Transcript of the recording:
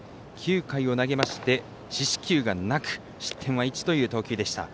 ９回を投げまして四死球はなく失点は１という投球でした。